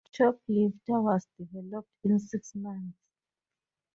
"Choplifter" was developed in six months.